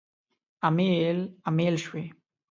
امیل، امیل شوی